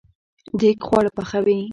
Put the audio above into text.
دیګ خواړه پخوي